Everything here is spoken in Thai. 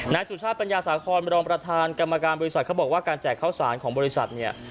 นายสุชาติปัญญาสาคอนรองประธานกรรมการบริษัทเขาบอกว่าการแจกข้าวสารของบริษัทเนี่ย